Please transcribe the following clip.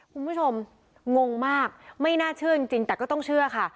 งงมากไม่น่าเชื่อจริงแต่ก็ต้องเชื่อค่ะ